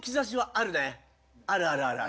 あるあるあるある。